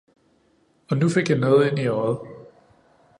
Og nu fik jeg noget ind i øjet